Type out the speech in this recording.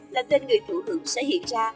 là tên người chủ hưởng sẽ hiện ra